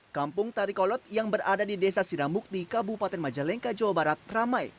kampung tarikolot yang berada di desa siramukti kabupaten majalengka jawa barat ramai